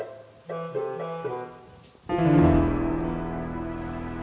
berarti pikiran kita gak sama med